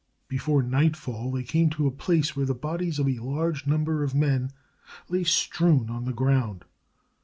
Before nightfall, they came to a place where the bodies of a large number of men lay strewn on the ground.